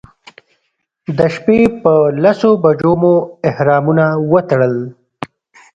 د شپې په لسو بجو مو احرامونه وتړل.